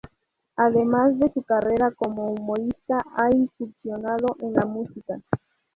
Además de su carrera como humorista, ha incursionado en la música.